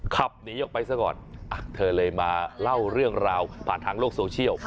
ขับหนีออกไปซะก่อนเธอเลยมาเล่าเรื่องราวผ่านทางโลกโซเชียล